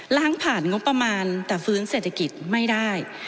ล้างผ่านงบประมาณแต่ฟื้นเศรษฐกิจไม่ได้